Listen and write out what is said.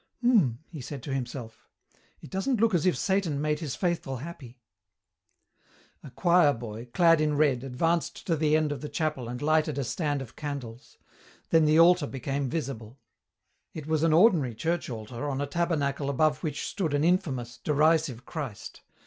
"Hmm," he said to himself. "It doesn't look as if Satan made his faithful happy." A choir boy, clad in red, advanced to the end of the chapel and lighted a stand of candles. Then the altar became visible. It was an ordinary church altar on a tabernacle above which stood an infamous, derisive Christ.